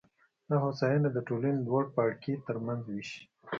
دا هوساینه د ټولنې لوړ پاړکي ترمنځ وېشي